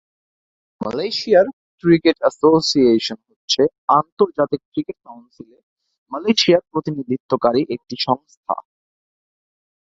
মালয়েশিয়ার cricket association হচ্ছে আন্তর্জাতিক ক্রিকেট কাউন্সিলে মালয়েশিয়ার প্রতিনিধিত্বকারী একটি সংস্থা।